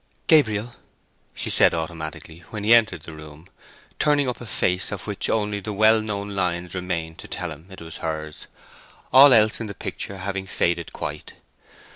"Gabriel," she said, automatically, when he entered, turning up a face of which only the well known lines remained to tell him it was hers, all else in the picture having faded quite.